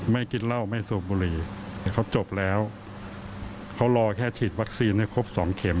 กินเหล้าไม่สูบบุหรี่แต่เขาจบแล้วเขารอแค่ฉีดวัคซีนให้ครบสองเข็ม